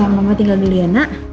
ya mama tinggal dulu ya nak